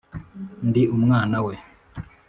ndi umwana we,